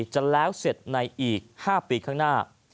จะแล้วเสร็จในอีก๕ปีข้างหน้า